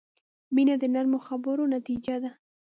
• مینه د نرمو خبرو نتیجه ده.